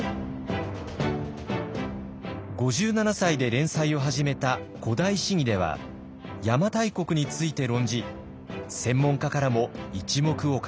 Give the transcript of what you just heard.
５７歳で連載を始めた「古代史疑」では邪馬台国について論じ専門家からも一目置かれました。